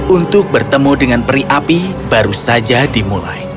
untuk bertemu dengan peri api baru saja dimulai